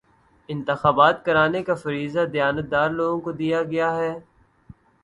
انتخابات کرانے کا فریضہ دیانتدار لوگوں کو دیا گیا ہے